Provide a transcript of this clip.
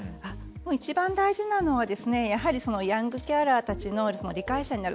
一番大事なのはやはり、ヤングケアラーたちの理解者になる。